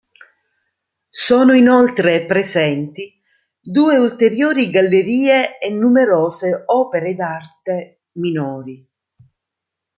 Sono inoltre presenti due ulteriori gallerie e numerose opere d'arte minori.